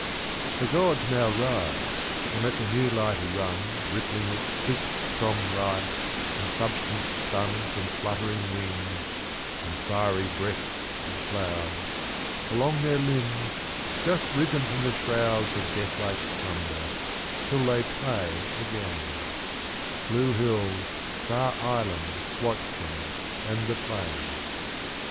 The gods now rise and let the new light run Rippling its quick strong life and substance spun From fluttering wings and fiery breasts "of clouds Along their limbs just risen from the shrouds Of death like slumber till they play again ; Blue hills, far island watch thcni, and the plain.